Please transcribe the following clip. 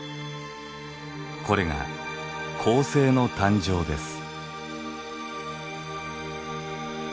これが恒星の誕生です。